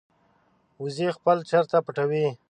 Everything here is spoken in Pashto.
وزې خپل چرته پټوي